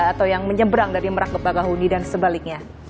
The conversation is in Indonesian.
atau yang menyeberang dari merak ke bagahuni dan sebaliknya